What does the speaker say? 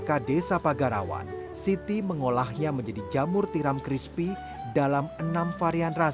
bersama penggerak pkk desa pagarawan siti mengolahnya menjadi jamur tiram krispi dalam enam varian rasa